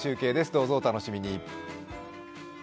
どうぞお楽しみに。